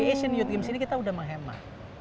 asian youth games ini kita sudah menghemat